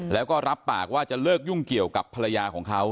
แล้วก็รับปากว่าจะเลิกยุ่งเกี่ยวกับภรรยาของเขา